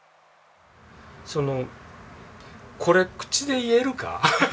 そのこれ口で言えるか？